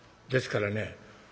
ですからね